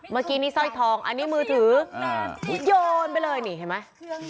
เมื่อกี้นี่สร้อยทองอันนี้มือถือโยนไปเลยนี่เห็นไหม